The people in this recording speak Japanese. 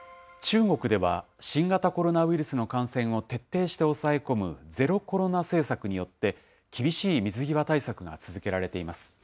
中国では、新型コロナウイルスの感染を徹底して抑え込むゼロコロナ政策によって、厳しい水際対策が続けられています。